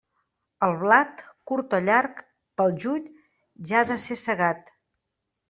El blat, curt o llarg, pel juny ja ha de ser segat.